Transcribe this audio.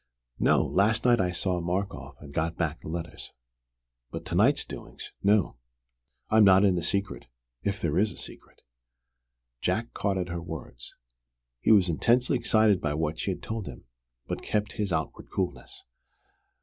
No, last night he saw Markoff and got back the letters. But to night's doings no. I am not in the secret if there is a secret." Jack caught at her words. He was intensely excited by what she had told him, but he kept his outward coolness.